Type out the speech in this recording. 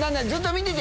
見てて！